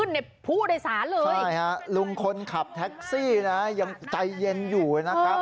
ในผู้โดยสารเลยใช่ฮะลุงคนขับแท็กซี่นะยังใจเย็นอยู่นะครับ